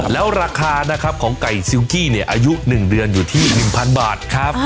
แล้วราคานะครับของไก่ซิลกี้เนี่ยอายุ๑เดือนอยู่ที่๑๐๐บาทครับ